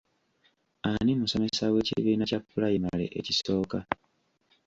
Ani musomesa w'ekibiina kya pulayimale ekisooka?